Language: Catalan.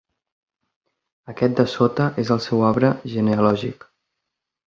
Aquest de sota és el seu arbre genealògic.